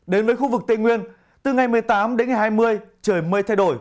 đến với khu vực tây nguyên từ ngày một mươi tám hai mươi trời mây thay đổi